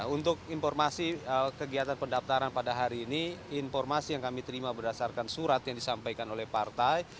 untuk informasi kegiatan pendaftaran pada hari ini informasi yang kami terima berdasarkan surat yang disampaikan oleh partai